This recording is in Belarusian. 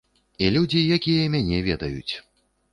І людзей, якія мяне ведаюць.